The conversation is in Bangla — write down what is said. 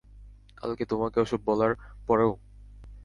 কালকে তোমাকে ওসব বলার পরেও?